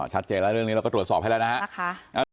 ชัดเจนแล้วเรื่องนี้เราก็ตรวจสอบให้แล้วนะฮะ